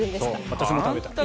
私も食べた。